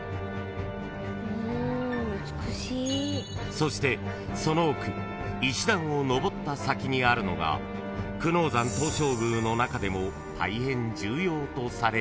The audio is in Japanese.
［そしてその奥石段を上った先にあるのが久能山東照宮の中でも］